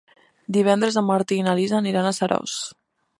Divendres en Martí i na Lis aniran a Seròs.